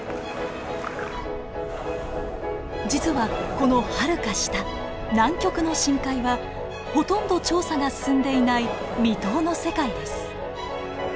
実はこのはるか下南極の深海はほとんど調査が進んでいない未踏の世界です。